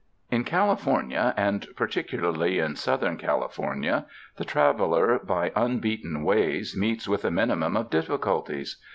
In California, and particularly in Southern Cali fornia, the traveler by unbeaten ways meets with a minimum of difficulties.